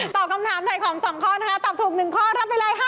ตอบคำถามถ่ายของ๒ข้อนะคะตอบถูก๑ข้อได้๕๐๐๐บาท